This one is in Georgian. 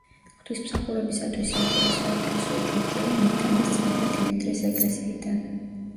ღვთისმსახურებისათვის საჭირო საეკლესიო ჭურჭელი მიიტანეს წმინდა დიმიტრის ეკლესიიდან.